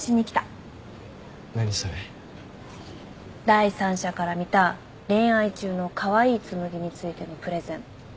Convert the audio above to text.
第三者から見た恋愛中のカワイイ紬についてのプレゼン。